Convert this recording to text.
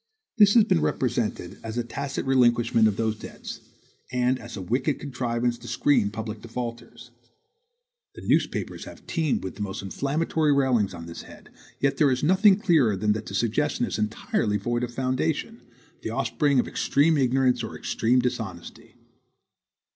This has been represented as a tacit relinquishment of those debts, and as a wicked contrivance to screen public defaulters. The newspapers have teemed with the most inflammatory railings on this head; yet there is nothing clearer than that the suggestion is entirely void of foundation, the offspring of extreme ignorance or extreme dishonesty.